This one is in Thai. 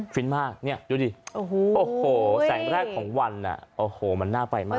ฟินมากเนี่ยดูดิโอ้โหแสงแรกของวันโอ้โหมันน่าไปมาก